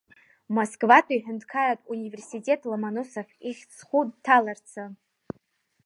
Москватәи аҳәынҭқарратә университет Ломоносов ихьӡ зху дҭаларцы!